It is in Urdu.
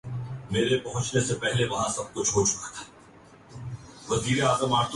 چوری کا مال موری میں